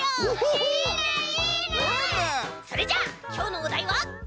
それじゃあきょうのおだいはこれ！